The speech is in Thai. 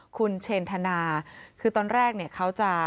คุณเชนธนาคือตอนแรกเนี่ยเขาจะ